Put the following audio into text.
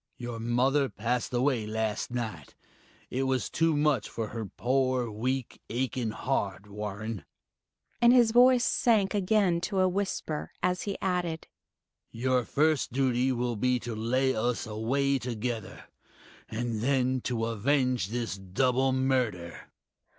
"Your mother passed away last night it was too much for her poor weak, aching heart, Warren," and his voice sank again to a whisper, as he added, "Your first duty will be to lay us away together, and then to avenge this double murder."